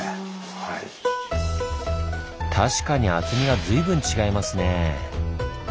確かに厚みが随分違いますねぇ。